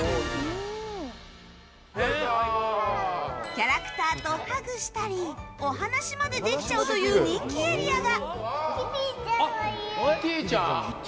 キャラクターとハグしたりお話までできちゃうという人気エリアが。